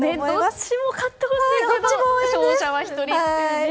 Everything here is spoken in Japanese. どっちも勝ってほしいけど勝者は１人という。